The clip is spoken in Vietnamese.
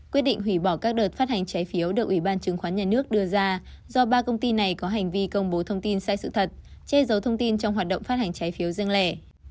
quyết định hủy bỏ các đợt phát hành trái phiếu được ủy ban chứng khoán nhà nước đưa ra do ba công ty này có hành vi công bố thông tin sai sự thật che giấu thông tin trong hoạt động phát hành trái phiếu riêng lẻ